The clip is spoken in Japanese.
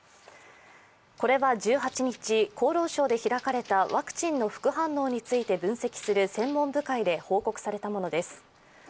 これは１８日、厚労省で開かれたワクチンの副反応について分析する専門部会で報告されたものです。